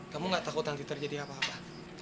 kamu gak takut nanti terjadi apa apa